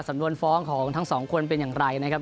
สำนวนฟ้องของทั้งสองคนเป็นอย่างไรนะครับ